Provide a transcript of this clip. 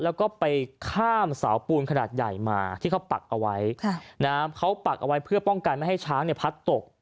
แล้วก็ไปข้ามเสาปูนขนาดใหญ่มาที่เขาปักเอาไว้เขาปักเอาไว้เพื่อป้องกันไม่ให้ช้างเนี่ยพัดตก